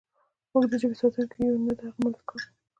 موږ د ژبې ساتونکي یو نه د هغې مالکان.